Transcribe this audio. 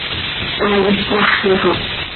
¡Hai iscmaxi xo!